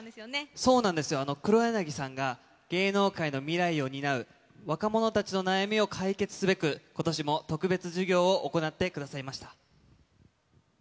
そうなんですよ、黒柳さんが、芸能界の未来を担う若者たちの悩みを解決すべく、ことしも特別授業を行ってくださいました。